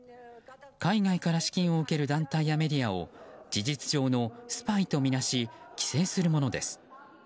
海外から資金を受ける団体やメディアを事実上のスパイとみなし規制するものです。